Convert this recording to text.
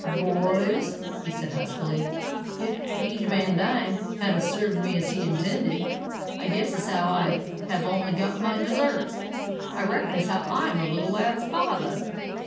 "Boys," said he, huskily, "ef 'Lije Vandine had 'a' served me as he intended, I guess as how I'd have only got my deserts. I reckon as how I'm the little lad's father!"